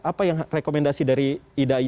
apa yang rekomendasi dari idai